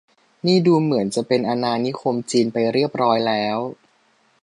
นี่ดูเหมือนจะเป็นอาณานิคมจีนไปเรียบร้อยแล้ว